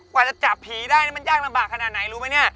กว่าจะจับผีได้มันยากลำบากขนาดไหนรู้ไหมเนี่ย